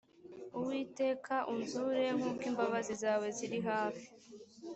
uwiteka unzure nk’uko imbabazi zawe ziri hafi